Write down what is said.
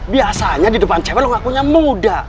biasanya di depan cewe lu ngakunya muda